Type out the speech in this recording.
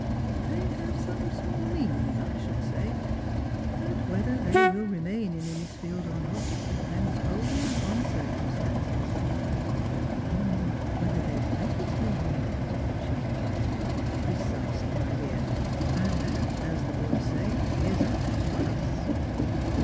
They have some small means, I should say. But whether they will remain in Innisfield or not depends wholly upon circumstances." " You mean whether they like it here or not? " she inquired. " Precisely, my dear. And that, as the boys say, ' is up to us'."